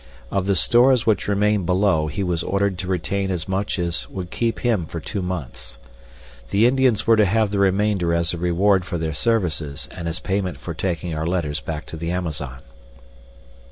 Of the stores which remained below he was ordered to retain as much as would keep him for two months. The Indians were to have the remainder as a reward for their services and as payment for taking our letters back to the Amazon.